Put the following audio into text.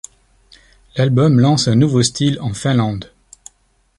L'album lance un nouveau style en Finlande.